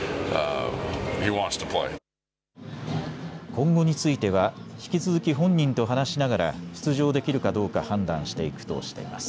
今後については引き続き本人と話しながら出場できるかどうか判断していくとしています。